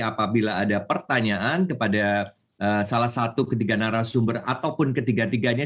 apabila ada pertanyaan kepada salah satu ketiga narasumber ataupun ketiga tiganya